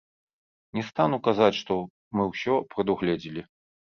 Не стану казаць, што мы ўсё прадугледзелі.